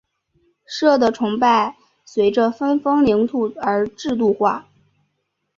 社的崇拜随着分封领土而制度化。